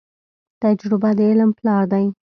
تجربه د علم پلار دی.